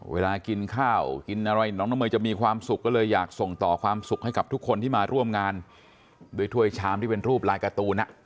เวลากินข้าวกินอะไรน้องน้องเมย์จะมีความสุขก็เลยอยากส่งต่อความสุขให้กับทุกคนที่มาร่วมงานด้วยถ้วยชามที่เป็นรูปลายการ์ตูน